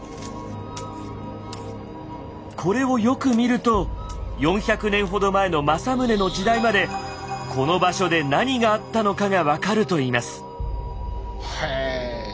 これをよく見ると４００年ほど前の政宗の時代までこの場所で何があったのかが分かるといいます。